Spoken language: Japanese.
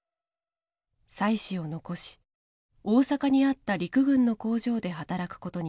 妻子を残し大阪にあった陸軍の工場で働くことになった。